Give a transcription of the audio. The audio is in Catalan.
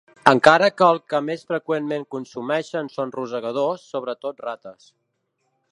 Encara que el que més freqüentment consumeixen són rosegadors, sobretot rates.